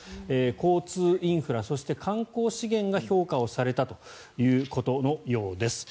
交通インフラ、そして観光資源が評価をされたということのようです。